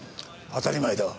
当たり前だ。